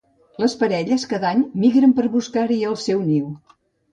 Les parelles cada any migren per buscar-hi el seu niu.